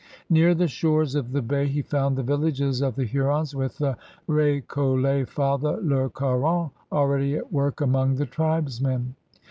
Near the shores of the bay he found the villages of the Hurons with the R6collet Father Le Caron already at work among the tribesmen.